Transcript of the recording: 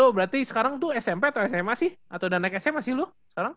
nah lu lu berarti sekarang tuh smp atau sma sih atau udah naik sma sih lu sekarang